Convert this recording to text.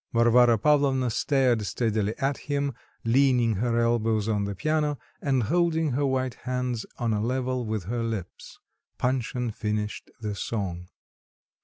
Varvara Pavlovna stared steadily at him, leaning her elbows on the piano and holding her white hands on a level with her lips. Panshin finished the song.